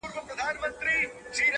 • مګر کله چي د څه باندي اویا کالو -